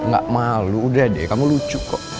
gak malu udah deh kamu lucu kok